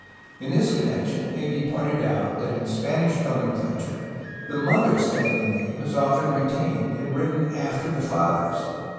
In this connection it may be pointed out that in Spanish nomenclature the mother's family name is often retained, and written after the father's.